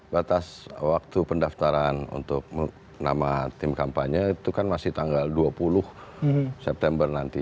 batas waktu pendaftaran untuk nama tim kampanye itu kan masih tanggal dua puluh september nanti